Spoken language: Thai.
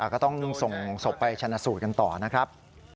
ก็ต้องส่งศพไปชนะสูตรกันต่อนะครับ